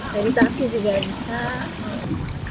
dan kita asli juga bisa belajar